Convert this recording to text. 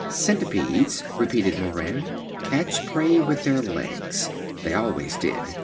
"Centipedes," repeated Moran, "catch prey with their legs. They always did.